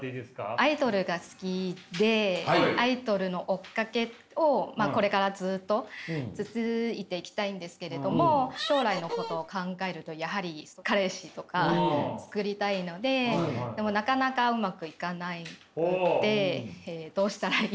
アイドルが好きでアイドルの追っかけをこれからずっと続いていきたいんですけれども将来のことを考えるとやはり彼氏とかつくりたいのででもなかなかうまくいかなくってどうしたらいいのか。